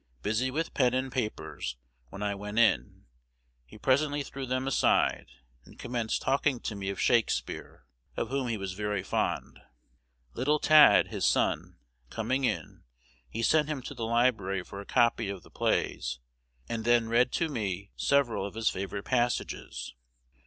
Busy with pen and papers when I went in, he presently threw them aside, and commenced talking to me of Shakspeare, of whom he was very fond. Little 'Tad,' his son, coming in, he sent him to the library for a copy of the plays, and then read to me several of his favorite passages.